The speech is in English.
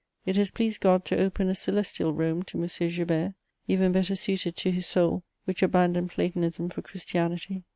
It has pleased God to open a celestial Rome to M. Joubert, even better suited to his soul, which abandoned Platonism for Christianity.